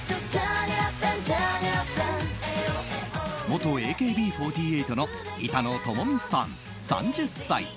元ＡＫＢ４８の板野友美さん、３０歳。